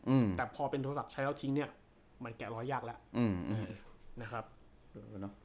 อืมแต่พอเป็นโทรศัพท์ใช้แล้วทิ้งเนี้ยมันแกะรอยยากแล้วอืมอืมนะครับเออเนอะ